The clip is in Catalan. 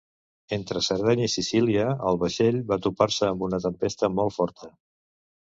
Entre Sardenya i Sicília, el vaixell va topar-se amb una tempesta molt forta.